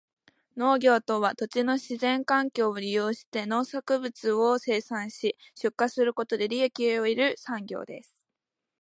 農業とは、土地の自然環境を利用して農産物を生産し、出荷することで利益を得る産業です。